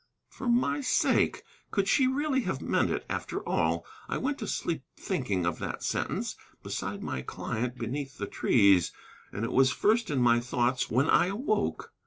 For my sake! Could she really have meant it, after all? I went to sleep thinking of that sentence, beside my client beneath the trees. And it was first in my thoughts when I awoke.